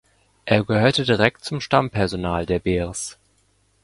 Er gehörte direkt zum Stammpersonal der Bears.